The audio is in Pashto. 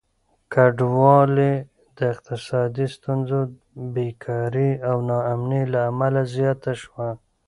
کډوالي د اقتصادي ستونزو، بېکاري او ناامني له امله زياته شوه.